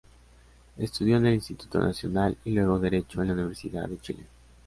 Estudió en el Instituto Nacional y luego Derecho en la Universidad de Chile.